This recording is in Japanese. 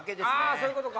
そういうことか。